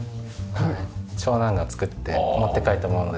長男が作って持って帰ったもので。